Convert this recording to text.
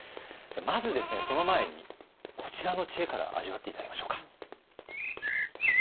じゃあまずその前にこちらの知恵から味わって頂きましょうか。